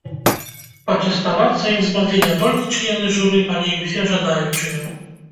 Пачаставацца ім змаглі не толькі члены журы, але і ўсе жадаючыя.